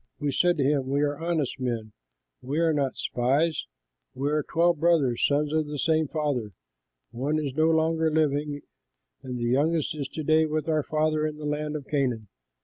We said to him, 'We are honest men; we are not spies; we are twelve brothers, sons of the same father; one is no longer living, and the youngest is to day with our father in the land of Canaan.'